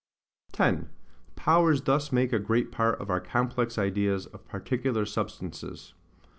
10. Powers thus make a great Part of our complex Ideas of particular Substances.